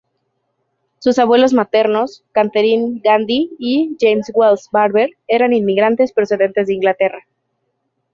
Sus abuelos maternos, Catherine Gandy y James Wells Barber, eran inmigrantes procedentes de Inglaterra.